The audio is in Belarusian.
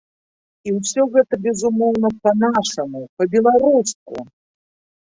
І ўсё гэта, безумоўна, па-нашаму, па-беларуску!